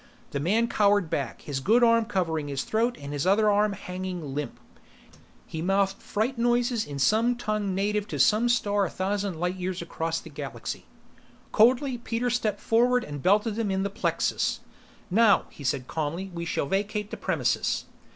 The man cowered back, his good arm covering his throat and his other arm hanging limp. He mouthed fright noises in some tongue native to some star a thousand light years across the galaxy. Coldly, Peter stepped forward and belted him in the plexus. "Now," he said calmly, "we shall vacate the premises!"